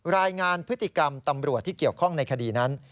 รายงานพฤติกรรมตำรวจที่เกี่ยวข้องในคดีนั้น